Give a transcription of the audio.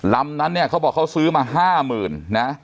ลำนั้นเนี่ยเขาบอกเขาซื้อมา๕๐๐๐นะ